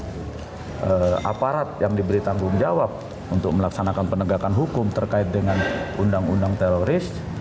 kepada aparat yang diberi tanggung jawab untuk melaksanakan penegakan hukum terkait dengan undang undang teroris